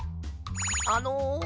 あの。